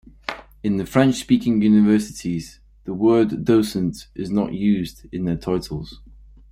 In the French-speaking universities, the word docent is not used in their titles.